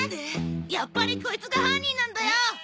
やっぱりコイツが犯人なんだよ！